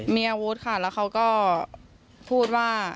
มีอาวุธค่ะแล้วเขาก็พูดว่า